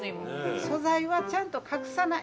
素材はちゃんと隠さない。